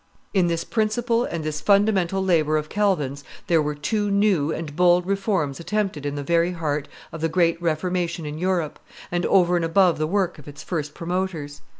In this principle and this fundamental labor of Calvin's there were two new and bold reforms attempted in the very heart of the great Reformation in Europe, and over and above the work of its first promoters.